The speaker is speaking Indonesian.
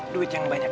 duit yang banyak